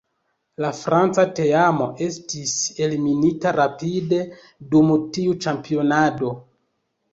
La franca teamo estis eliminita rapide dum tiu ĉampionado.